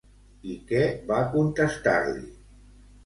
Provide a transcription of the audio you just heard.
I què va contestar-li?